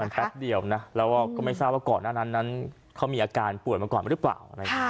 แป๊บเดียวนะแล้วก็ไม่ทราบว่าก่อนหน้านั้นเขามีอาการป่วยมาก่อนหรือเปล่า